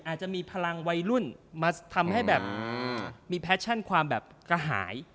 อาจจะมีพลังวัยรุ่นมีแฟชั่นที่สังหาร